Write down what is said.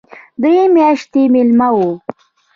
درې میاشتې مېلمه وم.